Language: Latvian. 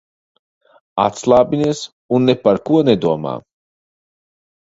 Atslābinies un ne par ko nedomā.